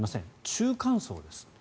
中間層です。